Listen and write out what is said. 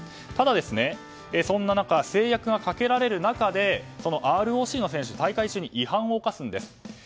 ただ、そんな中制約がかけられる中でＲＯＣの選手が大会時に違反を犯すんです。